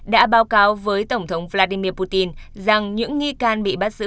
đã báo cáo với tổng thống vladimir putin rằng những nghi can bị bắt giữ